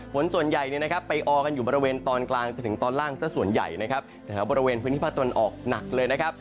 ฝนส่วนใหญ่ไปออกกันอยู่บริเวณตอนกลางจนถึงตอนล่างซะส่วนใหญ่นะครับ